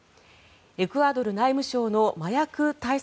エクアドル内務省の麻薬対策